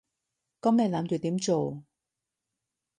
噉你諗住點做？